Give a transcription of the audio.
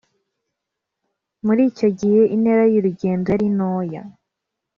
muri icyo gihe intera y urugendo yari ntoya